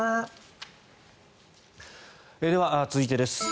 では続いてです。